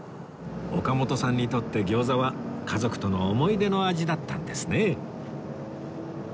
岡本さんにとって餃子は家族との思い出の味だったんですね